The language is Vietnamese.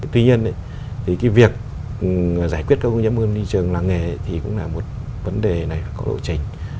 tuy nhiên thì cái việc giải quyết các ô nhiễm môi trường làng nghề thì cũng là một vấn đề này phải có lộ trình